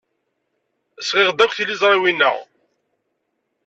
Sɣiɣ-d akk tiliẓriwin-a.